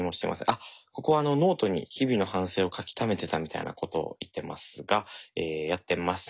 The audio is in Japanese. あっここはあのノートに日々の反省を書きためてたみたいなことを言ってますがえやってません。